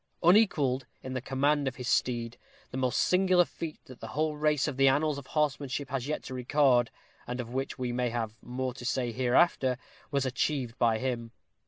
Unequalled in the command of his steed, the most singular feat that the whole race of the annals of horsemanship has to record, and of which we may have more to say hereafter, was achieved by him.